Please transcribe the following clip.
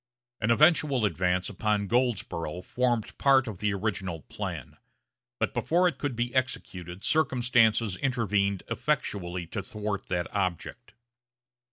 An eventual advance upon Goldsboro' formed part of the original plan; but, before it could be executed, circumstances intervened effectually to thwart that object.